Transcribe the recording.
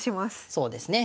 そうですね